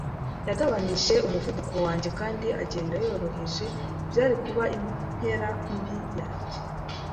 yagabanije umuvuduko wanjye kandi agenda yoroheje. Byari kuba impera mbi yanjye